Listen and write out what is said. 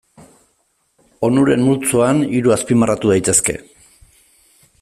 Onuren multzoan hiru azpimarratu daitezke.